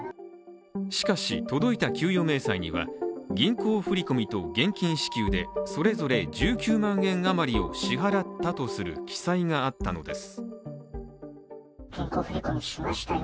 しかし届いた給与明細には銀行振込と現金支給でそれぞれ１９万円余りを支払ったとする記載があったのです。